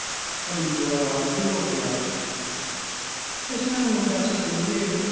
When you grow up you will judge." "There's no one better than you!..."